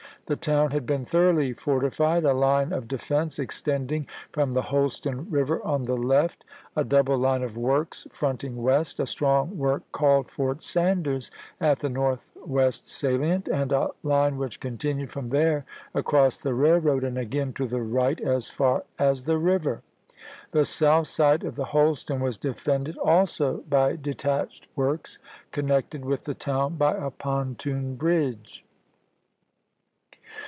The town had been thoroughly fortified, a line of defense extending from the Holston Eiver on the left, a double line of works fronting west, a strong work called Fort Sanders at the northwest salient, and a line which continued from there across the railroad and again to the right as far as the river. The south side of the Holston was defended also by de BUKNSIDE IN TENNESSEE 175 tached works connected with the town by a pon chap.vi. toon bridge.